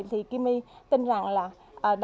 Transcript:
thì kimi tự nhiên sẽ giúp đỡ